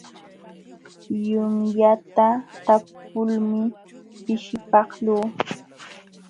Yunyata talpulmi pishipaqluu.